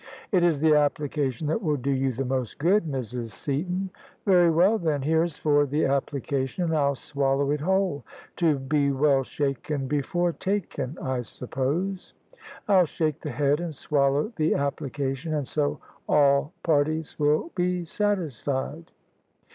" It is the application that will do you the most good, Mrs. Seaton." "Very well, theft. Here's for the application, and I'll swallow it whole. *To be well shaken before taken,' I suppose. I'll shake the head and swallow the application, and so all parties will be satisfied."